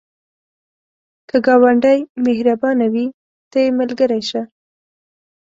که ګاونډی مهربانه وي، ته یې ملګری شه